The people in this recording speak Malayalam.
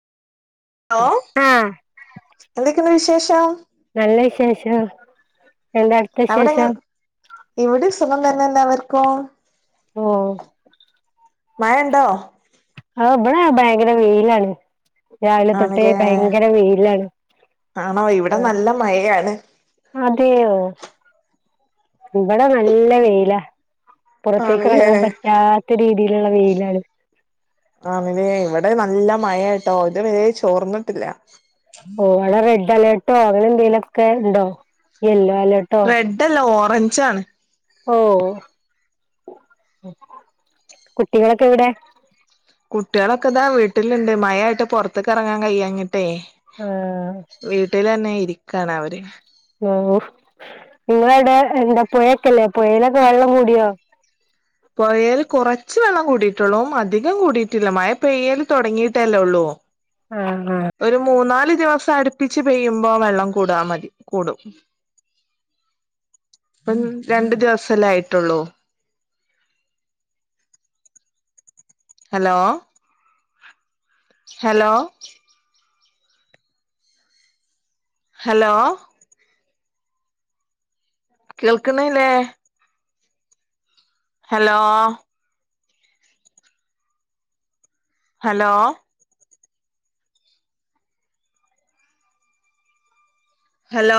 ലോ ആഹ് എന്തൊക്കെയുണ്ട് വിശേഷം നല്ല വിശേഷം എന്താ അവിടുത്തെ അവിടെങ്ങെ വിശേഷം ഇവിടെ സുഖം തന്നെ എല്ലാ വർക്കും ഓ മഴഉണ്ടോ ആഹ് ഇബടാ ഭയങ്കര വെയിലാണ് രാവിലെ തൊട്ടേ ആണല്ലേ ഭയങ്കര വെയിലാണ് ആണോ ഇവിടെ ആഹ് നല്ല മഴയാണ് അതെയോ ഇവിടെ നല്ല വെയിലാ പുറത്തേക്ക് ആണല്ലേ ഇറങ്ങൻ പറ്റാത്ത രീതിയിലുള്ള വെയിലാണ് ആണ്ല്ലേ ഇവടെ നല്ല മഴേട്ടോ ഇത്‌ വെരെ ചോർന്ന്ട്ട്ല്ല ഓ അളെ റെഡ് അലേർട്ടോ അങ്ങനെ എന്തേലൊക്കെ ഇണ്ടോ യെല്ലോ അലേ റെഡ് അല്ല ഓറഞ്ച് ആണ് ഓ കുട്ടികളൊക്കെ എവിടെ കുട്ട്യാളൊക്കെ ഇതാ വീട്ട്ല്ണ്ട് മഴ ആയിട്ട് പൊറത്ത്ക്കെറങ്ങാൻ കയ്യാഞ്ഞിട്ടേ ആ വീട്ടിലെന്നെ ഇരിക്കാണ് അവര് ഓഹ് ങ്ങളവിടെ എന്താ പുഴയൊക്കെല്ലേ പുഴയിലൊക്കെ വള്ളം കൂടിയോ പൊഴേല് കുറച്ച് വള്ളം കൂടിട്ടൊള്ളു അധികം കൂടിയിറ്റില്ല മഴ പെയ്യല് തൊടങ്ങിയിട്ടല്ലേ ഒള്ളൂ ആഹ് ആഹ് ഒരു മൂന്നാല് ദിവസം അടുപ്പിച്ച് പെയ്യുമ്പോ വെള്ളം കൂടാ മതി കൂടും ഇപ്പം രണ്ട് ദിവസല്ലെ ആയിട്ടൊള്ളൂ ഹലോ ഹലോ ഹലോ കേൾക്ക്ണ് ഇല്ലേ ഹലോ ഹലോ ഹലോ